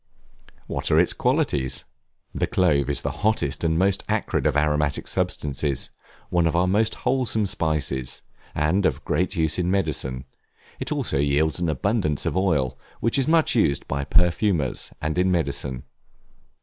What are its qualities? The Clove is the hottest, and most acrid of aromatic substances; one of our most wholesome spices, and of great use in medicine; it also yields an abundance of oil, which is much used by perfumers, and in medicine.